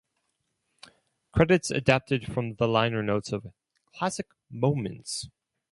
Credits adapted from the liner notes of "Classic Moments".